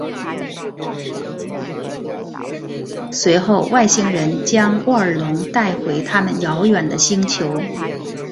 随后外星人将沃尔隆带回他们遥远的星球。